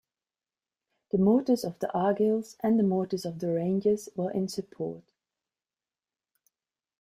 The mortars of the Argylls and the mortars of the Rangers were in support.